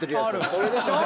これでしょ